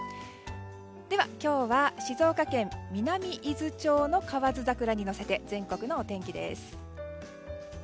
では今日は静岡県南伊豆町の河津桜にのせて全国のお天気です。